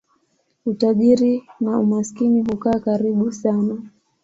Utajiri na umaskini hukaa karibu sana.